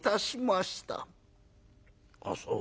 「あっそう。